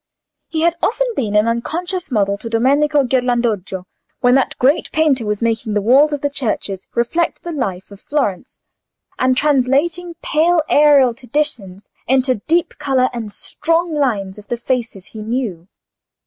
He had often been an unconscious model to Domenico Ghirlandajo, when that great painter was making the walls of the churches reflect the life of Florence, and translating pale aerial traditions into the deep colour and strong lines of the faces he knew.